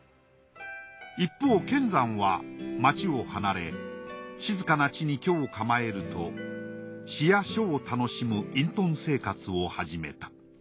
一方乾山は町を離れ静かな地に居を構えると詩や書を楽しむ隠とん生活を始めた。